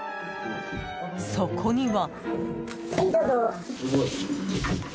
そこには。